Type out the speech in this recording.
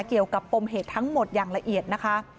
เกี่ยวกับปมเหตุทั้งหมดอย่างละเอียดนะคะ